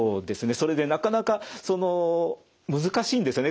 それでなかなか難しいんですよね。